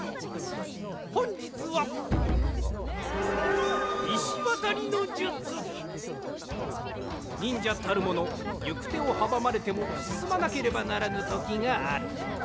ほんじつはにんじゃたるものゆくてをはばまれてもすすまなければならぬときがある。